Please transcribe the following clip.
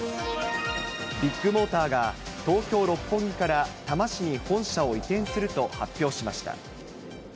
ビッグモーターが東京・六本木から多摩市に本社を移転すると発表しました。